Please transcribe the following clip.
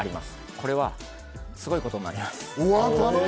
これはすごいことになります。